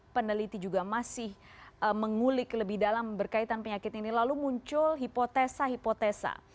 peneliti juga masih mengulik lebih dalam berkaitan penyakit ini lalu muncul hipotesa hipotesa